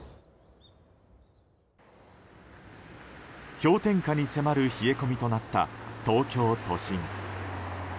氷点下に迫る冷え込みとなった東京都心。